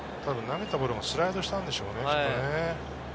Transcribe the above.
投げたボールもスライドしたんでしょうね。